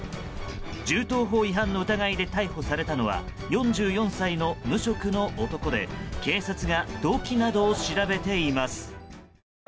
銃刀法違反の疑いで逮捕されたのは４４歳の無職の男で警察が動機などを調べています。